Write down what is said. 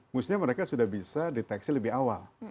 mestinya mereka sudah bisa deteksi lebih awal